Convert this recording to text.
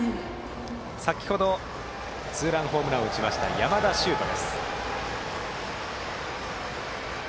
先程、ツーランホームランを打ちました、山田修斗。